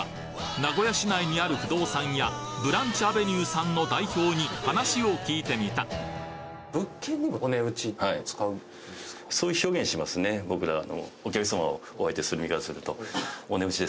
名古屋市内にある不動産屋ブランチアベニューさんの代表に話を聞いてみた僕らは。